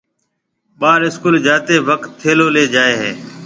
ٻاݪ اسڪول جاتيَ وقت ٿيلو ليَ جائي هيَ۔